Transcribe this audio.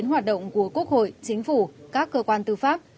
hoạt động của quốc hội chính phủ các cơ quan tư pháp